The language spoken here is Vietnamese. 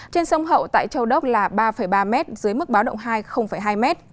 trên sông hậu tại châu đốc là ba ba m dưới mức báo động hai hai m